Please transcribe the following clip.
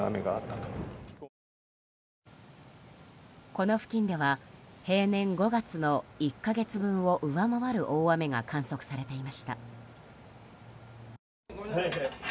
この付近では、平年５月の１か月分を上回る大雨が観測されていました。